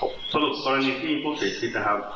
สรุปกรณีที่ผู้ติดสิทธิ์นะครับ